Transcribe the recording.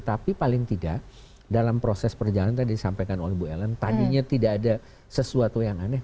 tapi paling tidak dalam proses perjalanan tadi disampaikan oleh bu ellen tadinya tidak ada sesuatu yang aneh